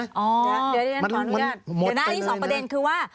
เดี๋ยวหน้าที่สองประเด็นคือว่า